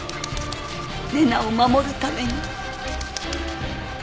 礼菜を守るために。